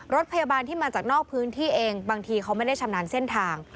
รถพยาบาลที่มาจากนอกพื้นที่เองบางทีเขาไม่ได้ชำนาญเส้นทาง